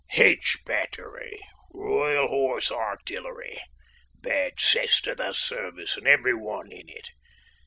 "H Battery, Royal Horse Artillery. Bad cess to the Service and every one in it!